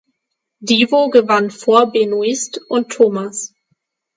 Divo gewann vor Benoist und Thomas.